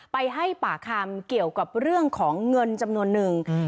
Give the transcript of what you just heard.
ไปให้ปากคำเกี่ยวกับเรื่องของเงินจำนวนนึง